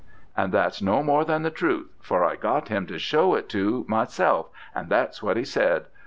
And that's no more than the truth, for I got him to show it to myself, and that's what he said.